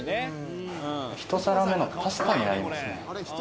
ひと皿目のパスタになりますね。